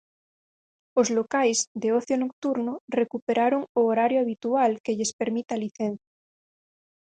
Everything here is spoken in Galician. Os locais de ocio nocturno recuperaron o horario habitual que lles permite a licenza.